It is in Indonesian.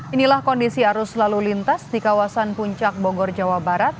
inilah kondisi arus lalu lintas di kawasan puncak bogor jawa barat